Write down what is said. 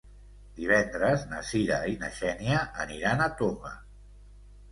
Divendres na Cira i na Xènia aniran a Toga.